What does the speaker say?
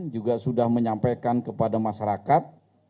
juga sudah menyampaikan kepada masyarakat